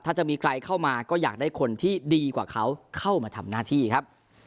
ถ้าจะมีใครเข้ามาก็อยากได้คนที่ดีกว่าเขาเข้ามาทำหน้าที่ครับ